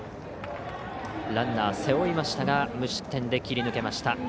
ランナー背負いましたが無失点で切り抜けました。